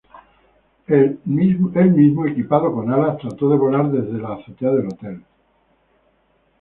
Él mismo equipado con alas trató de volar desde la azotea del hotel.